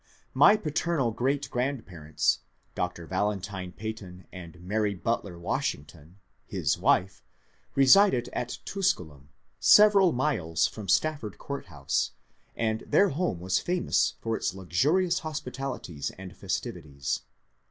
My paternal g^reat grandparents, Dr. Valentine Peyton and Mary Butler Washington, his wife, resided at ^* Tusculum," several miles from Stafford Court House, and their home was famous for its luxurious hospitalities and festivities.